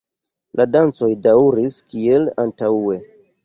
La dancoj daŭris kiel antaŭe.